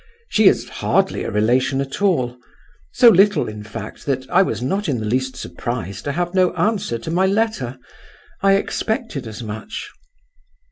She is hardly a relation at all; so little, in fact, that I was not in the least surprised to have no answer to my letter. I expected as much."